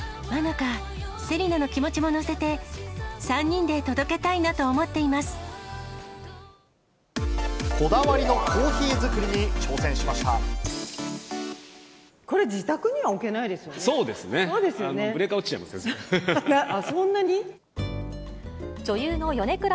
そうですよね。